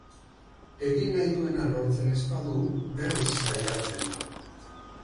Egin nahi duena lortzen ez badu, berriz saiatzen da.